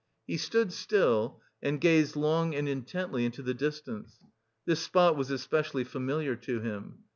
He stood still, and gazed long and intently into the distance; this spot was especially familiar to him.